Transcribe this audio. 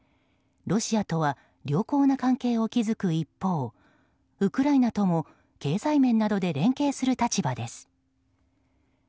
ロシアとは良好な関係を築く一方ウクライナとも経済面などで連携する立場です。